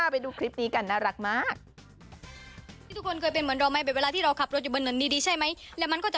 ไปดูคลิปนี้กันน่ารักมาก